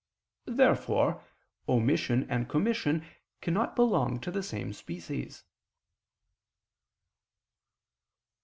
Therefore omission and commission cannot belong to the same species.